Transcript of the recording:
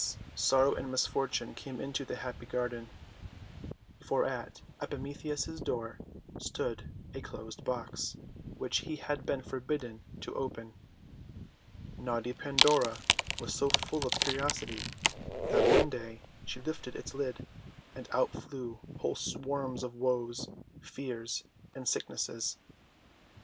sorrow and misfortune came into that happy garden! For at Epimetheus' door stood a closed box, which he had been forbidden to open. Naughty Pandora was so full of curios ity that one day she lifted its lid, and out flew whole swarms of Woes, Fears, and Sicknesses.